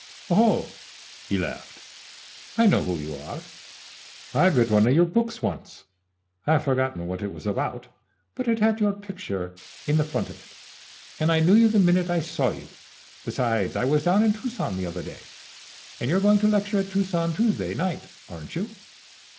"Oh," he laughed, "I know who you are. I read one of your books once. I've forgotten what it was about; but it had your picture in the front of it, and I knew you the minute I saw you. Besides I was down in Tucson the other day, and you're going to lecture at Tucson Tuesday night, aren't you?"